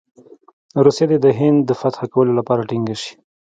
روسیه دې د هند د فتح کولو لپاره ټینګه شي.